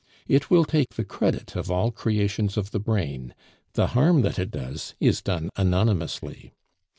It will take the credit of all creations of the brain; the harm that it does is done anonymously.